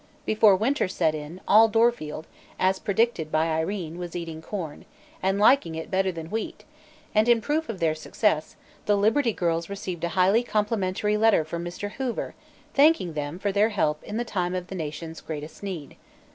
Before winter set in, all Dorfield, as predicted by Irene, was eating corn, and liking it better than wheat, and in proof of their success, the Liberty Girls received a highly complimentary letter from Mr. Hoover, thanking them for their help in the time of the nation's greatest need.